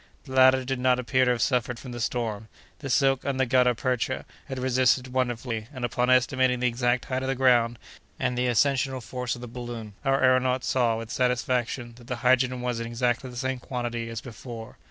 The latter did not appear to have suffered from the storm; the silk and the gutta percha had resisted wonderfully, and, upon estimating the exact height of the ground and the ascensional force of the balloon, our aëronaut saw, with satisfaction, that the hydrogen was in exactly the same quantity as before.